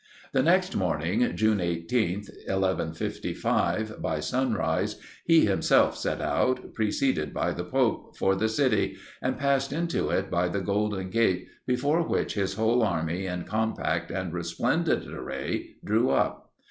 The next morning, June 18th, 1155, by sun rise, he himself set out, preceded by the pope, for the city, and passed into it by the golden gate, before which his whole army in compact and resplendent array, drew up.